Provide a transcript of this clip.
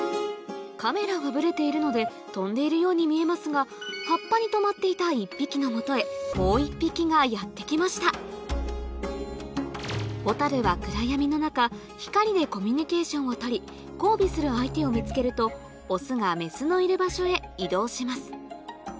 カメラがブレているので飛んでいるように見えますが葉っぱに止まっていた一匹のもとへもう一匹がやって来ましたホタルは暗闇の中光でコミュニケーションを取り交尾する相手を見つけるとオスがメスのいる場所へ移動します